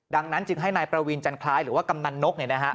ดังนั้นจึงให้นายประวีนจันทรายหรือว่ากำนันนกเนี่ยนะฮะ